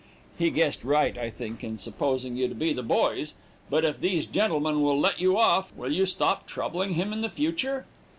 He guessed right, I think, in supposing you to be the boys. But if these gentlemen will let you off, will you stop troubling him in the future?'